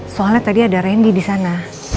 soalnya tadi ada randy disana